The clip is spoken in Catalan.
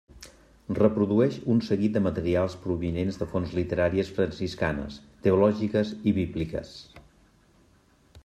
Reprodueix un seguit de materials provinents de fonts literàries franciscanes, teològiques i bíbliques.